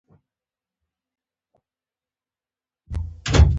جنرال کوفمان د پوځیانو لېږلو څخه معذرت غوښتی وو.